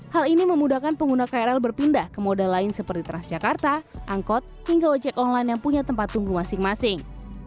hal ini memudahkan pengguna krl berpindah ke moda lain seperti transjakarta angkot hingga ojek online yang punya tempat tunggu masing masing